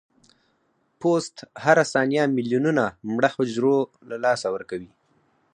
پوست هره ثانیه ملیونونه مړه حجرو له لاسه ورکوي.